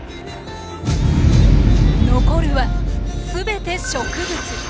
残るは全て植物！